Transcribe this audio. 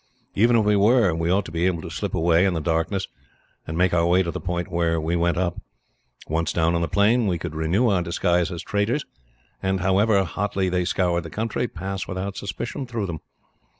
Even if we were, we ought to be able to slip away, in the darkness, and make our way to the point where we went up. Once down on the plain, we could renew our disguise as traders, and, however hotly they scoured the country, pass without suspicion through them.